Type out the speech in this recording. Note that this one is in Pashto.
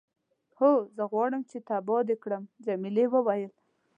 هو، زه غواړم چې تباه دې کړم. جميلې وويل:.